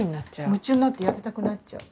夢中になってやってたくなっちゃう。